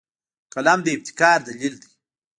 قلم د ابتکار دلیل دی